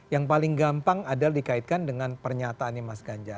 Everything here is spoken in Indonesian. yang paling gampang adalah dikaitkan dengan pernyataannya mas ganjar